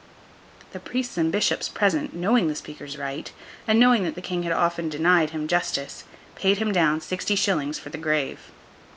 The priests and bishops present, knowing the speaker's right, and knowing that the King had often denied him justice, paid him down sixty shillings for the grave.